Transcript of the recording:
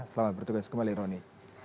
selamat bertugas kembali roni